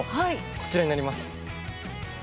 こちらになります。